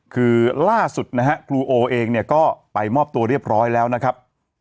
คือล่าสุดนะฮะครูโอเองเนี่ยก็ไปมอบตัวเรียบร้อยแล้วนะครับ